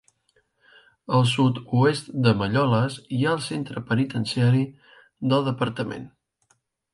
Al sud-oest de Malloles hi ha el Centre Penitenciari del departament.